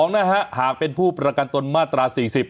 นะฮะหากเป็นผู้ประกันตนมาตรา๔๐